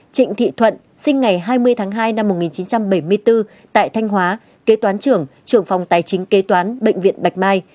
trịnh thị thuận sinh ngày hai mươi tháng hai năm một nghìn chín trăm bảy mươi bốn tại thanh hóa kế toán trưởng trưởng phòng tài chính kế toán bệnh viện bạch mai